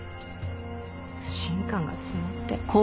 不信感が募って。